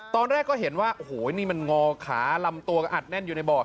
ตอนแรกก็เห็นว่าโอ้โหนี่มันงอขาลำตัวก็อัดแน่นอยู่ในบ่อ